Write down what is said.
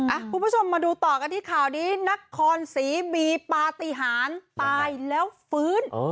คุณผู้ชมมาดูต่อกันที่ข่าวนี้นครศรีมีปฏิหารตายแล้วฟื้น